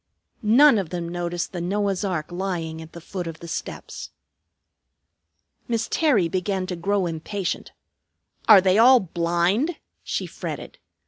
None of them noticed the Noah's ark lying at the foot of the steps. Miss Terry began to grow impatient. "Are they all blind?" she fretted.